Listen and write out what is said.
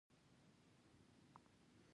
د خبرو د ستونزې لپاره د ژبې معاینه وکړئ